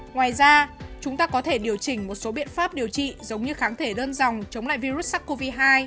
ngoài ra chúng ta có thể điều chỉnh một số biện pháp điều trị giống như kháng thể đơn dòng chống lại virus sars cov hai